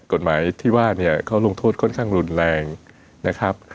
กฎหมายที่ว่าเนี่ยเขาลงโทษค่อนข้างรุนแรงนะครับ